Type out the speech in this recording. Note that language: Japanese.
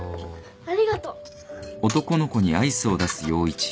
ありがとう。